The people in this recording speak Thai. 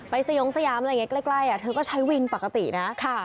ไปสยองสยามอะไรไงไกลอะเธอก็ใช้วินปกตินะ